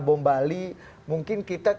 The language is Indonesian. bom bali mungkin kita